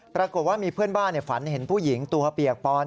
ปรากฏว่ามีเพื่อนบ้านฝันเห็นผู้หญิงตัวเปียกปอน